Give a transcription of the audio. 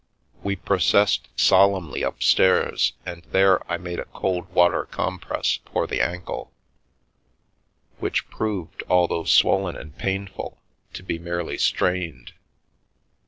We processed solemnly upstairs, and there I made a cold water compress for the ankle, which proved, al though swollen and painful, to be merely strained.